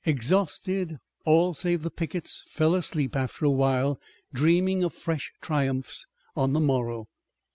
Exhausted, all save the pickets fell asleep after a while, dreaming of fresh triumphs on the morrow.